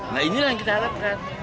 nah inilah yang kita harapkan